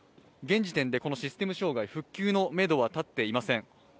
現時点でこのシステム障害、復旧のめどは立っていません。